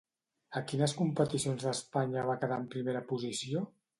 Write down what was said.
A quines competicions d'Espanya va quedar en primera posició?